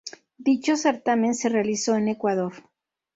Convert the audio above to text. Dicho certamen se realizó en Ecuador.